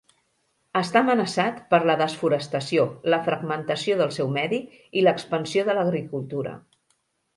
Està amenaçat per la desforestació, la fragmentació del seu medi i l'expansió de l'agricultura.